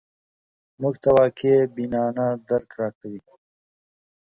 موږ ته واقع بینانه درک راکوي